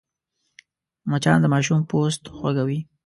مچان د ماشوم پوست خوږوي